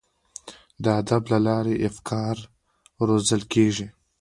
د ادب له لارې افکار روزل کیږي.